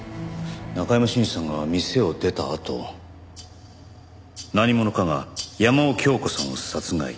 中山信二さんが店を出たあと何者かが山尾京子さんを殺害。